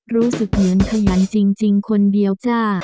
รู้สึกเหมือนขยันจริงคนเดียวจ้า